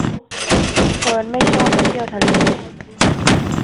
เฟิร์นไม่ชอบไปเที่ยวทะเล